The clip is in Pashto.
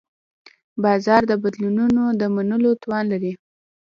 بازار د بدلونونو د منلو توان لري.